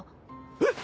えっ？